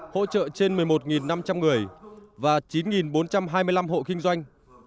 hỗ trợ trên một mươi một năm trăm linh người và chín bốn trăm hai mươi năm hộ kinh doanh